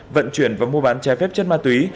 vận chuyển và mua bán trái phép chất ma túy